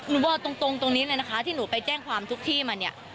หนูบอกตรงตรงนี้เลยนะคะที่หนูไปแจ้งความทุกที่มาเนี่ย